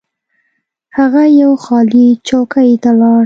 هغه یوې خالي چوکۍ ته لاړ.